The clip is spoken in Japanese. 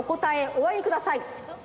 おあげください！